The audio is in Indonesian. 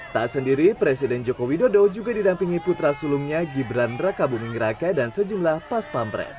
tak sendiri presiden joko widodo juga didampingi putra sulungnya gibran rakabumingraka dan sejumlah paspampres